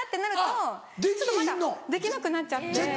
できなくなっちゃって。